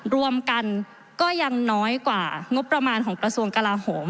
รวมกันก็ยังน้อยกว่างบประมาณของกระทรวงกลาโหม